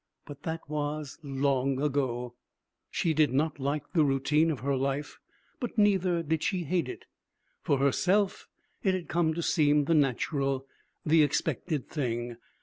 But that was long ago. She did not like the routine of her life. But neither did she hate it. For herself, it had come to seem the natural, the expected thing.